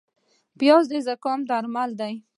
پیاز د زکام درمل دی